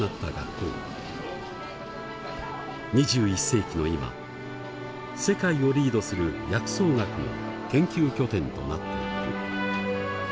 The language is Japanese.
２１世紀の今世界をリードする薬草学の研究拠点となっている。